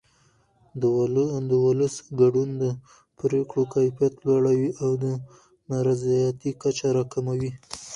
د ولس ګډون د پرېکړو کیفیت لوړوي او د نارضایتۍ کچه راکموي